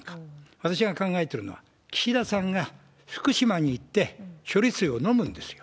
私が考えてるのは、岸田さんが福島に行って、処理水を飲むんですよ。